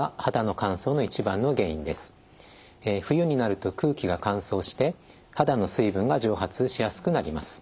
冬になると空気が乾燥して肌の水分が蒸発しやすくなります。